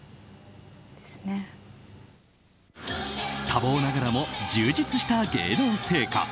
多忙ながらも充実した芸能生活。